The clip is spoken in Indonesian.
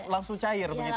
langsung cair begitu